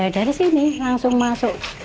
dari sini langsung masuk